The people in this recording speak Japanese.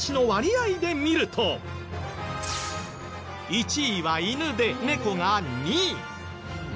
１位は犬で猫が２位。